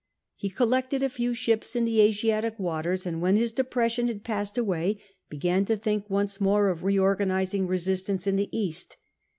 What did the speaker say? He collected a few ships in the Asiatic waters, and when his depression had passed away, began to think once more of reorganising POMPEY MURDERED IN EGYPT 287 resistance in the East.